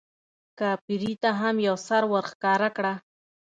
کاپري ته هم یو سر ورښکاره کړه.